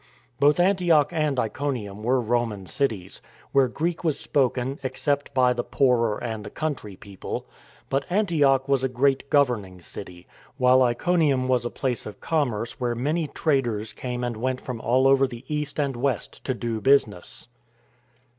Both Antioch and Iconium were Roman cities, where Greek was spoken except by the poorer and the country people; but Antioch was a great governing city, while Iconium was a place of commerce where many traders came and went from all over the east and west to do business.